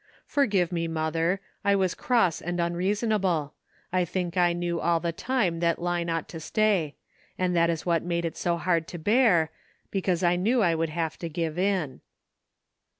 "Forgive me, mother, I was cross and unreasonable ; 1 think I knew all the time that Line ought to stay ; and that is what made it so hard to bear, because I knew I would have to give in."